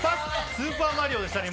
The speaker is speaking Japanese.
スーパーマリオでしたね